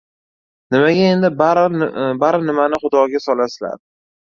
— Nimaga endi bari nimani xudoga solasizlar?!